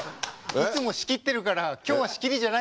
いつも仕切ってるから今日は仕切りじゃないんです